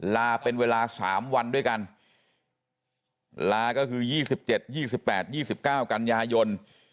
ลาเป็นเวลา๓วันด้วยกันลาก็คือ๒๗๒๘๒๙กันยายน